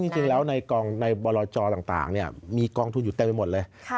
จริงแล้วในกองในบรจต่างมีกองทุนอยู่เต็มไปหมดเลย